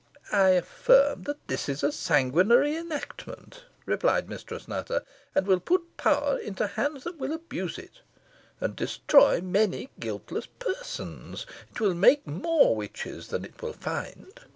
"I affirm that this is a sanguinary enactment," replied Mistress Nutter, "and will put power into hands that will abuse it, and destroy many guiltless persons. It will make more witches than it will find."